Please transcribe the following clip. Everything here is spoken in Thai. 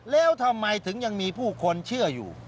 แล้วทำไมถึงยังมีผู้คนเชื่ออยู่